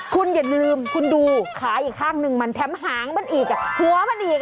คุณอย่าลืมคุณดูขาอีกข้างหนึ่งมันแถมหางมันอีกหัวมันอีก